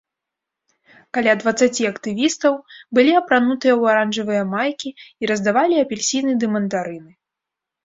Каля дваццаці актывістаў былі апранутыя ў аранжавыя майкі і раздавалі апельсіны ды мандарыны.